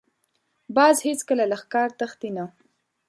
باز هېڅکله له ښکار تښتي نه